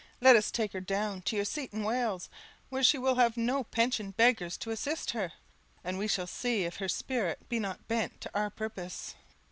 Let us take her down to your seat in Wales, where she will have no pensioned beggars to assist her; and we shall see if her spirit be not bent to our purpose."